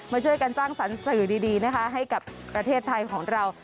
มาช่วยกันสร้างสรรค์สื่อดีนะคะให้กับประเทศไทยของเรา